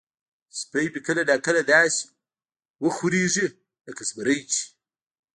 سپی مې کله نا کله داسې وخوریږي لکه زمری چې وي.